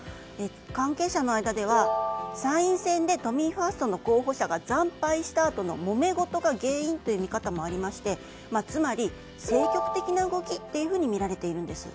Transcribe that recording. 関係者の間では、参院選で都民ファーストの候補者が惨敗したあとのもめ事が原因という見方もありましてつまり、政局的な動きとみられているんです。